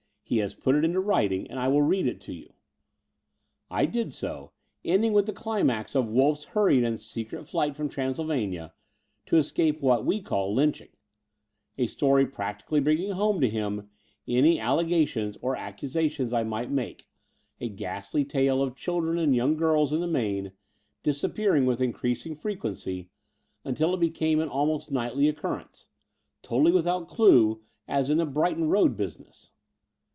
He has put it into writing ; and I will read it to you." I did so, ending with the climax of Wolff's hurried and secret flight from Transylvania to escape what we call Ijmching — a story practically bringing home to him any allegations or accusa 196 The Door off the Unreal tions I might make, a ghastly tale of children and young girls, in the main, disappearing with increas ing frequency imtil it became an almost nightly occurrence — ^totally without clue, as in the Brighton Road business.